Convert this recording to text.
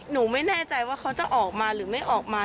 หนูไม่แน่ใจว่าเขาจะออกมาหรือไม่ออกมา